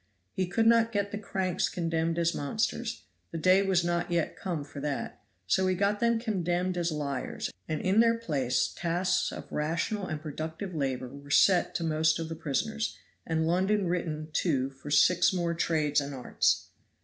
He could not get the cranks condemned as monsters the day was not yet come for that; so he got them condemned as liars, and in their place tasks of rational and productive labor were set to most of the prisoners, and London written to for six more trades and arts.